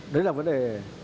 đấy là vấn đề